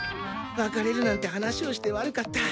別れるなんて話をして悪かった。